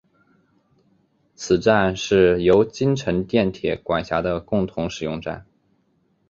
此站是由京成电铁管辖的共同使用站。